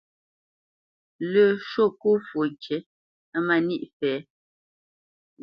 Lə́ shwô ŋkó fwo kîʼ á má níʼ fɛ̌.